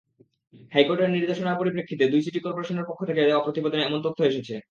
হাইকোর্টের নির্দেশনার পরিপ্রেক্ষিতে দুই সিটি করপোরেশনের পক্ষ থেকে দেওয়া প্রতিবেদনে এমন তথ্য এসেছে।